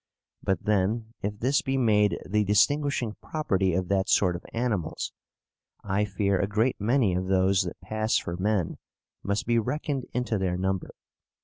But, then, if this be made the distinguishing property of that sort of animals, I fear a great many of those that pass for men must be reckoned into their number.